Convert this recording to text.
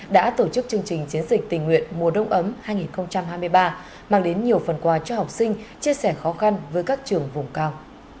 đã tổ chức chương trình chiến dịch tình nguyện mùa đông ấm hai nghìn hai mươi ba mang đến nhiều phần quà cho học sinh chia sẻ khó khăn với các trường vùng cao